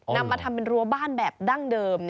นำมาทำเป็นรั้วบ้านแบบดั้งเดิม